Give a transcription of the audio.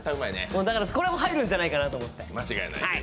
だからこれは入るんじゃないかと思って。